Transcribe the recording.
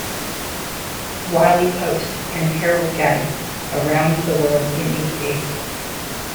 Wiley Post and Harold Gatty, "Around the World in Eight Days".